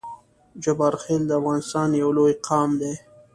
جبارخیل د افغانستان یو لوی قام دی